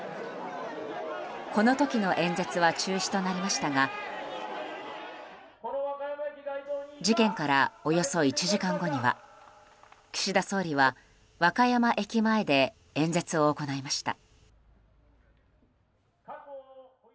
この時の演説は中止となりましたが事件からおよそ１時間後には岸田総理は和歌山駅前で演説を行いました。